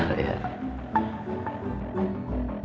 hidupnya tidak findeh